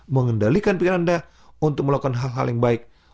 mengendalikan pikiran anda untuk melakukan hal hal yang baik